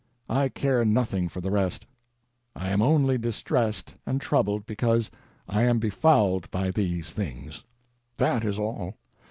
I care nothing for the rest — ^I am only distressed and troubled because I am befouled by these things. That is all.